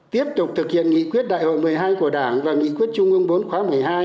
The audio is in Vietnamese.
tiếp tục thực hiện nghị quyết đại hội một mươi hai của đảng và nghị quyết trung ương bốn khóa một mươi hai